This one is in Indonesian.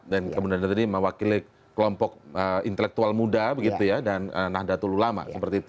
dan kemudian tadi mewakili kelompok intelektual muda dan nahdlatul ulama